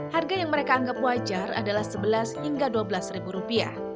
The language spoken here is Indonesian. harga yang mereka anggap wajar adalah rp sebelas hingga rp dua belas